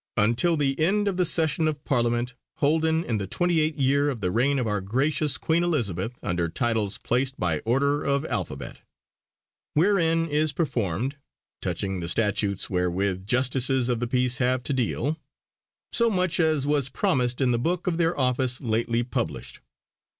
until the ende of the Session of Parliament holden in the 28 yeere of the reigne of our gracious Queene Elizabeth under Titles placed by order of Alphabet. Wherein is performed (touching the Statutes wherewith Justices of the Peace have to deale) so much as was promised in the Booke of their office lately published.